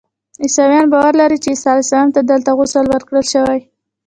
عیسویان باور لري چې عیسی علیه السلام ته دلته غسل ورکړل شوی.